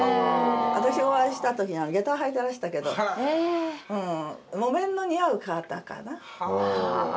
私がお会いした時にはげたを履いてらしたけど木綿の似合う方かな。